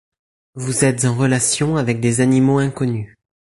Vous êtes en relation avec des animaux inconnus.